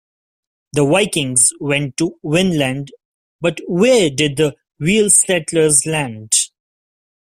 The Vikings went to Vinland, but where did the real settlers land?